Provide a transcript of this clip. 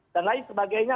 dan lain sebagainya